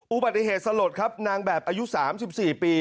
อุบัติเหตุสลดครับนางแบบอายุ๓๔ปี